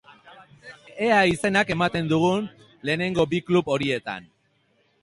Ea izena ematen dugun lehenengo bi klub horietan.